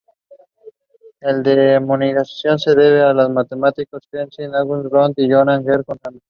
Su denominación se debe a los matemáticos Heinrich August Rothe y Johann Georg Hagen.